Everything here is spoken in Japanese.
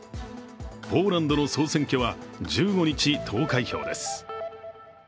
ポーランドの総選挙は１５日、投開票です。